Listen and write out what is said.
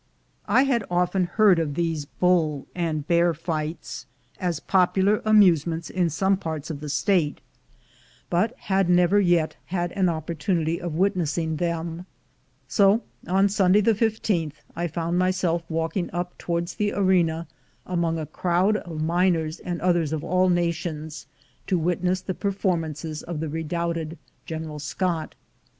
I had often heard of these bull and bear fights as popular amusements in some parts of the State, but had never yet had an opportunity of witnessing them; so, on Sunday the 15th, I found myself walking up A BULL AND BEAR FIGHT 277 towards the arena, among a crowd of miners and others of all nations, to witness the performances of the redoubted General Scott.